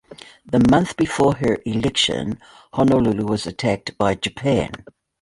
The month before her election, Honolulu was attacked by Japan.